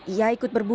ia ikut berburu